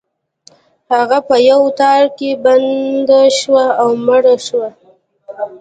هغه په یو تار کې بنده شوه او مړه شوه.